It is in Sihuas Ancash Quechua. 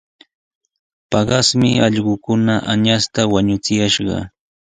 Paqasmi allquukuna añasta wañuchuyashqa.